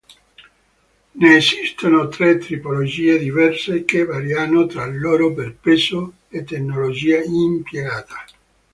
Ne esistono tre tipologie diverse che variano tra loro per peso e tecnologia impiegata.